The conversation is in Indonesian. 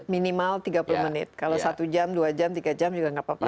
minimal tiga puluh menit kalau satu jam dua jam tiga jam juga nggak apa apa